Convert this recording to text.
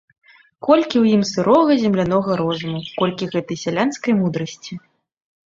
Колькі ў ім сырога землянога розуму, колькі гэтай сялянскай мудрасці.